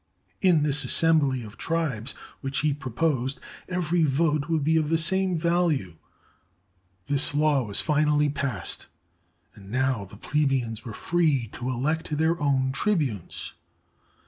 In this assembly of tribes which he proposed, every vote would be of the same value. This law was finally passed, and now the plebeians were free to elect their own tribunes.